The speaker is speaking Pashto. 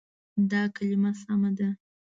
دا کلمه سمه ده.